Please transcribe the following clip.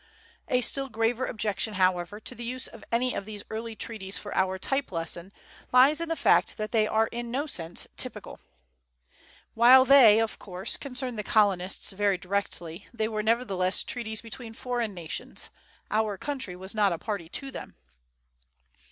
A still graver objection, however, to the use of any of these early treaties for our type lesson lies in the fact that they are in no sense typical. While they, of course, concerned the colonists very directly, they were nevertheless treaties between foreign nations; our country was not a party to them.